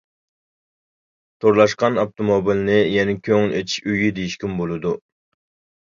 تورلاشقان ئاپتوموبىلنى يەنە كۆڭۈل ئېچىش ئۆيى دېيىشكىمۇ بولىدۇ.